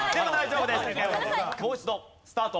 もう一度スタート。